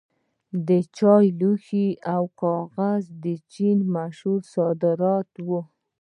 چای، لوښي او کاغذ د چین مشهور صادرات وو.